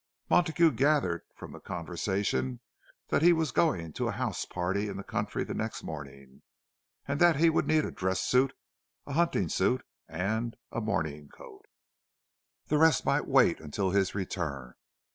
Montague gathered from the conversation that he was going to a house party in the country the next morning, and that he would need a dress suit, a hunting suit, and a "morning coat." The rest might wait until his return.